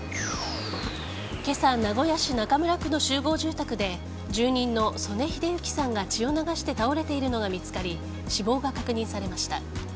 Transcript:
今朝名古屋市中村区の集合住宅で住人の曽根英之さんが血を流して倒れているのが見つかり死亡が確認されました。